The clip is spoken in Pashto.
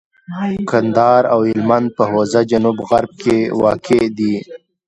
کندهار او هلمند په حوزه جنوب غرب کي واقع دي.